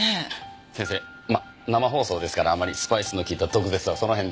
「先生まあ生放送ですからあまりスパイスの利いた毒舌はその辺で」